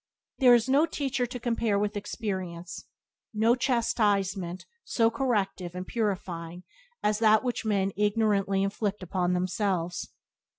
There is no teacher to compare with experience, no chastisement so corrective and purifying as that which men ignorantly inflict upon themselves.